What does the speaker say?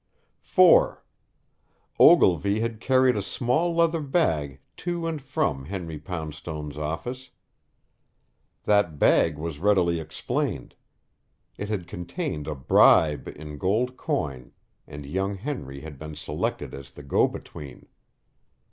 (4) Ogilvy had carried a small leather bag to and from Henry Poundstone's office. That bag was readily explained. It had contained a bribe in gold coin and young Henry had been selected as the go between.